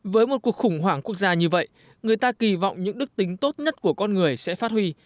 với một cuộc khủng hoảng quốc gia như vậy người ta kỳ vọng những đức tính tốt nhất của con người sẽ phát huy